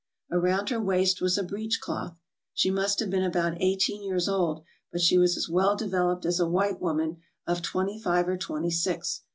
Around her waist was a breech cloth. She must have been about eighteen years old, but she was as well developed as a white woman of twenty five or twenty six.